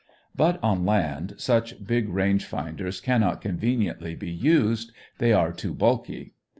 But on land such big range finders cannot conveniently be used; they are too bulky.